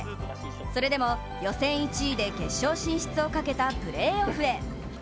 それでも予選１位で決勝進出をかけたプレーオフへ。